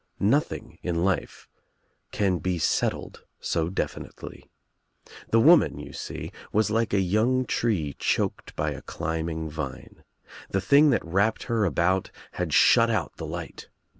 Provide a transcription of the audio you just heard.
Noth SEEDS ing in life can be settled so definitely. The woman — you see — was like a young tree choked by a climbing The thing that wrapped her about had shut lUt the light.